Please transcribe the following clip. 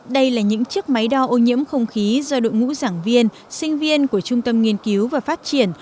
đây là những chiếc máy đo ô nhiễm không khí do đội ngũ giảng viên sinh viên của trung tâm nghiên cứu và phát triển